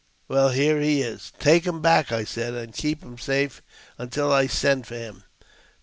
" Well, here he is." " Take him back," I said, " and keep him safe until I send for him."